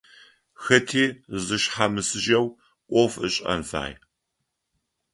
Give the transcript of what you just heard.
Хэти зышъхьамысыжьэу ӏоф ышӏэн фае.